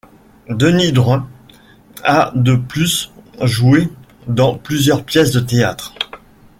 Denis Drouin a de plus joué dans plusieurs pièces de théâtre.